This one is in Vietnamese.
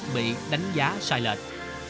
bị đánh giá sai lệch